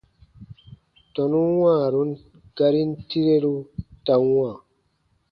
Tɔnun wãarun garin tireru ta wãa.